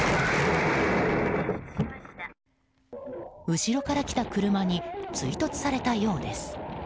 後ろから来た車に追突されたようです。